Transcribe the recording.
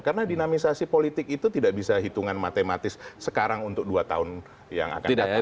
karena dinamisasi politik itu tidak bisa hitungan matematis sekarang untuk dua tahun yang akan datang